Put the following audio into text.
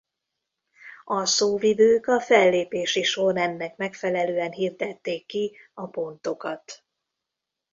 A szóvivők a fellépési sorrendnek megfelelően hirdették ki a pontokat.